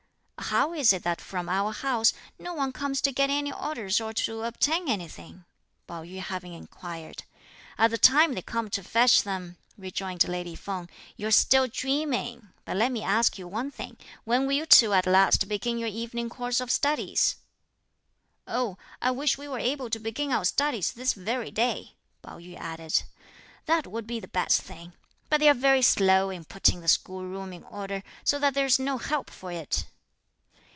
"How is it that from our house, no one comes to get any orders or to obtain anything?" Pao yü having inquired: "At the time they come to fetch them," rejoined lady Feng, "you're still dreaming; but let me ask you one thing, when will you two at last begin your evening course of studies?" "Oh, I wish we were able to begin our studies this very day," Pao yü added; "that would be the best thing, but they're very slow in putting the school room in order, so that there's no help for it!"